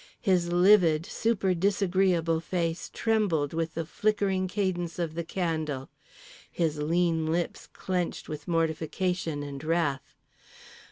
His livid super disagreeable face trembled with the flickering cadence of the candle. His lean lips clenched with mortification and wrath.